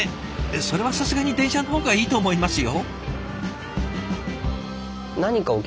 それはさすがに電車の方がいいと思いますよ？